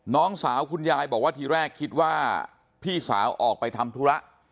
น้องสาวคุณยายบอกว่าทีแรกคิดว่าพี่สาวออกไปทำธุระ